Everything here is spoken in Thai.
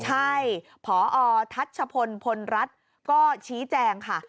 ใช่พอทัชพลพลรัฐก็ชี้แจงค่ะ